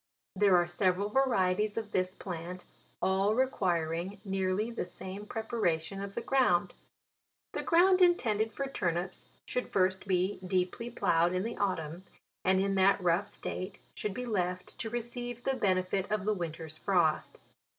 There are several varieties of this plant all requiring nearly the same preparation of the ground. The ground intended for tur nips should first be deeply ploughed in the autumn, and in that rough state should be left to receive the benefit of the winter's frost.